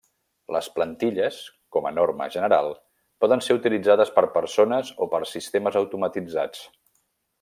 Les plantilles, com a norma general, poden ser utilitzades per persones o per sistemes automatitzats.